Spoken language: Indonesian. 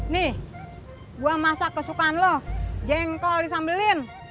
nih gue masak kesukaan lo jengkol di sambilin